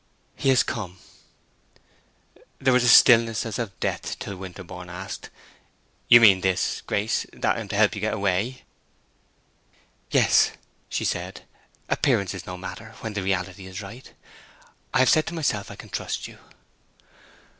"He has come." There was a stillness as of death, till Winterborne asked, "You mean this, Grace—that I am to help you to get away?" "Yes," said she. "Appearance is no matter, when the reality is right. I have said to myself I can trust you."